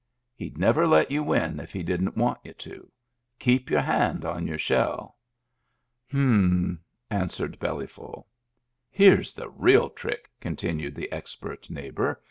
He'd never let you win if he didn't want you to. Keep your hand on your shell." " H'm," answered Bellyful. "Here's the real trick," continued the e3q)ert neighbor.